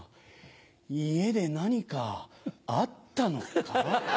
家で何かあったのか？